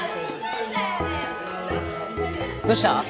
どうした？